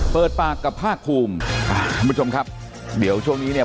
เปิดปากกับภาคภูมิท่านผู้ชมครับเดี๋ยวช่วงนี้เนี่ย